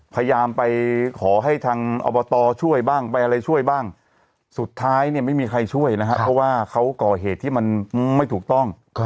พยายามไปขอให้ทางอบตช่วยบ้างไปอะไรช่วยบ้างสุดท้ายเนี่ยไม่มีใครช่วยนะครับเพราะว่าเขาก่อเหตุที่มันไม่ถูกต้อง